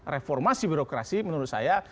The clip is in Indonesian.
reformasi birokrasi menurut saya